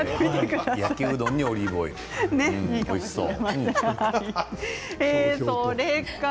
焼きうどんにオリーブオイル、おいしそう。